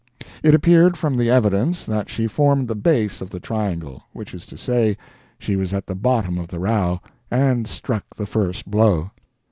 It appeared from the evidence that she formed the base of the triangle—which is to say, she was at the bottom of the row, and struck the first blow.